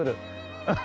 ハハハハ。